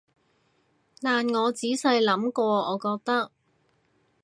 但我仔細諗過，我覺得